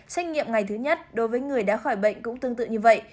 xét nghiệm ngày thứ nhất đối với người đã khỏi bệnh cũng tương tự như vậy